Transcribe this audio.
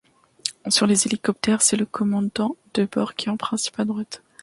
Sur les hélicoptères, c'est le commandant de bord qui est en principe à droite.